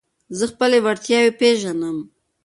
زه خپلي وړتیاوي پېژنم.